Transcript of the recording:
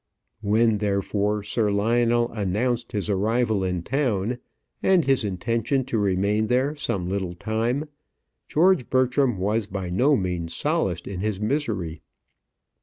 When, therefore, Sir Lionel announced his arrival in town and his intention to remain there some little time, George Bertram was by no means solaced in his misery.